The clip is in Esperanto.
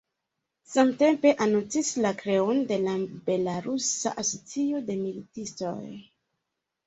Samtempe anoncis la kreon de la belarusa asocio de militistoj.